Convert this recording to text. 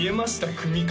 組み方